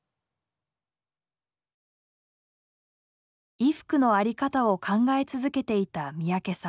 衣服の在り方を考え続けていた三宅さん。